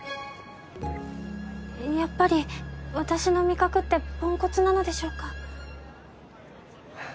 やっぱり私の味覚ってポンコツなのでしょうか？